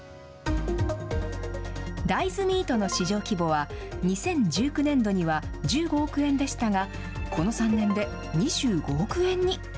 大豆ミートの市場規模は、２０１９年度には１５億円でしたが、この３年で２５億円に。